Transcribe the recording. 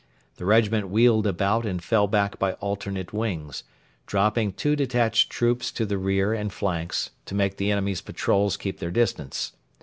The regiment wheeled about and fell back by alternate wings, dropping two detached troops to the rear and flanks to make the enemy's patrols keep their distance.